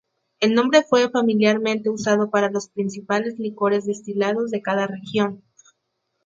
El nombre fue familiarmente usado para los principales licores destilados de cada región.